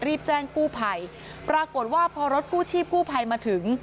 รีบแจ้งกู้ภัยปรากฏว่าพอรถกู้ชีพกู้ภัยมาถึง